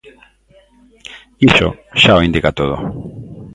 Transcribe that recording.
Iso xa o indica todo.